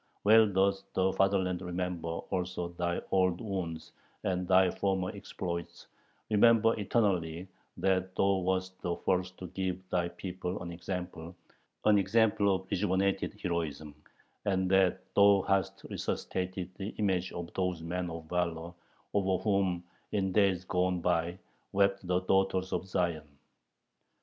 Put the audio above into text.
Well doth the fatherland remember also thy old wounds and thy former exploits, remember eternally that thou wast the first to give thy people an example, an example of rejuvenated heroism, and that thou hast resuscitated the image of those men of valor over whom in days gone by wept the daughters of Zion.